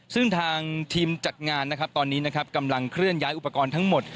ซึ่งทางทีมจัดงานนะครับตอนนี้นะครับกำลังเคลื่อนย้ายอุปกรณ์ทั้งหมด